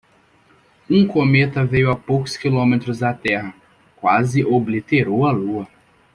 Um cometa veio a poucos quilômetros da Terra, quase obliterou a lua.